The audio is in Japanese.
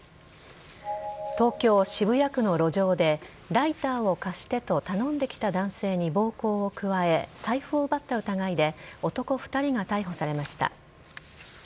東京・渋谷区の路上でライターを貸してと頼んできた男性に暴行を加え財布を奪った疑いで男２人が逮捕されました。